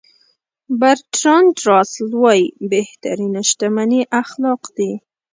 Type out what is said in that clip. برتراند راسل وایي بهترینه شتمني اخلاق دي.